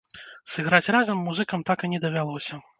Сыграць разам музыкам так і не давялося.